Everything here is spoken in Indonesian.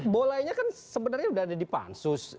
bolanya kan sebenarnya sudah ada di pansus